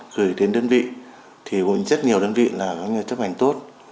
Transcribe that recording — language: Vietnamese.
gửi đến đơn vị thì cũng rất nhiều đơn vị chấp hành tốt